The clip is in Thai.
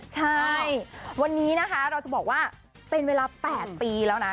ใช่วันนี้นะคะเราจะบอกว่าเป็นเวลา๘ปีแล้วนะ